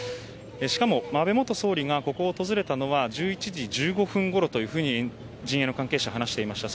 しかも安倍元総理がここを訪れたのは１１時１５分ごろと陣営の関係者は話していました。